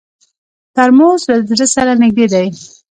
ترموز له زړه سره نږدې دی.